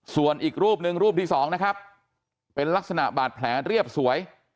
ส่วนอีกรูปหนึ่งรูปที่สองนะครับเป็นลักษณะบาดแผลเรียบสวย